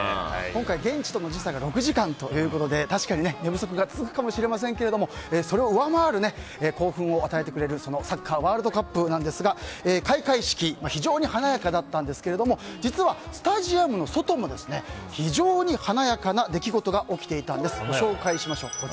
今回、現地との時差が６時間ということで確かに寝不足が続くかもしれませんけどもそれを上回る興奮を与えてくれるサッカーワールドカップですけど開会式、非常に華やかだったんですけれども実はスタジオの外も非常に華やかな出来事が起きていたんです。